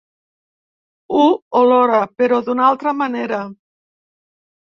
Ho olora, però d'una altra manera.